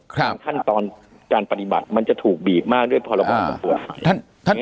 ขั้นตอนการปฏิบัติมันจะถูกบีบมากด้วยพรบตำรวจ